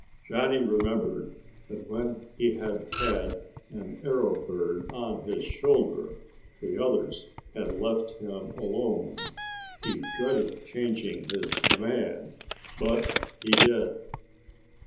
Johnny remembered that when he had had an arrow bird on his shoulder, the others had left him alone. He dreaded changing his command, but he did.